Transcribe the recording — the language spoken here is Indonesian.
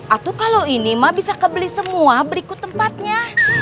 atau kalau ini ma bisa kebeli semua berikut tempatnya